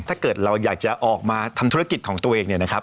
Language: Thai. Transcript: ถ้าเกิดเราอยากจะออกมาทำธุรกิจของตัวเอง